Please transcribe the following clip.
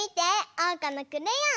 おうかのクレヨン！